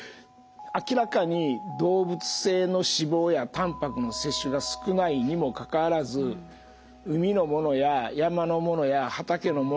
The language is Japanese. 明らかに動物性の脂肪やたんぱくの摂取が少ないにもかかわらず海のものや山のものや畑のもの